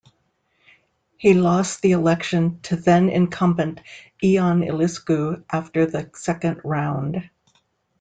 He lost the election to then incumbent Ion Iliescu after the second round.